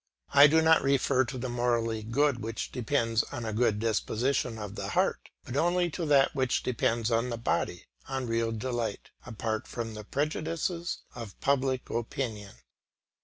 I do not refer to the morally good which depends on a good disposition of the heart, but only to that which depends on the body, on real delight, apart from the prejudices of public opinion.